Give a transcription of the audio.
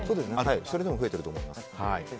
それでも増えていると思います。